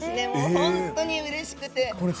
本当にうれしくて。